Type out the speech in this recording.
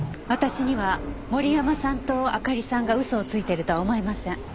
私には森山さんとあかりさんが嘘をついてるとは思えません。